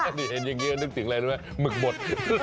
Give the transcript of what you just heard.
นี่เห็นอย่างนี้นึกถึงอะไรรู้ไหมหมึกบด